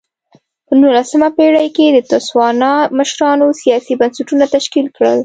په نولسمه پېړۍ کې د تسوانا مشرانو سیاسي بنسټونه تشکیل کړل.